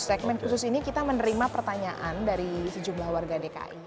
segmen khusus ini kita menerima pertanyaan dari sejumlah warga dki